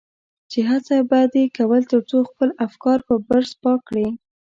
چې هڅه به دې کول تر څو خپل افکار په برس پاک کړي.